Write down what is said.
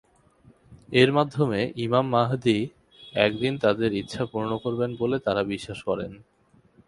এর মাধ্যমে Imam Mahdi একদিন তাদের ইচ্ছা পূর্ণ করবেন বলে তারা বিশ্বাস করেন।